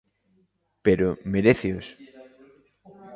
Pero... meréceos?